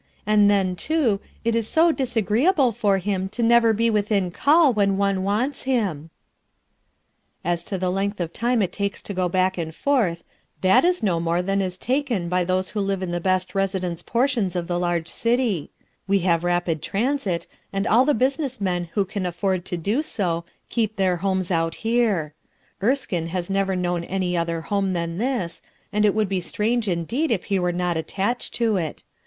and then, too, it is so dis agreeable for him to never be within call when one wants him/' "As to the length of time it takes to go back and forth, that is no more than is taken by those who live in the best residence portions of the large city; we have rapid transit, ami all the business men who can afford to do so, keep their homes out here, Erskinc has never known any other home than this, and it would be strange indeed if he were not attached to it.